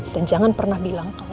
dan jangan pernah bilang